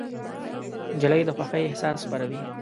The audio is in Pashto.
نجلۍ د خوښۍ احساس خپروي.